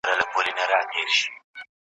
محفل به رنګین نه کي دا سوځلي وزرونه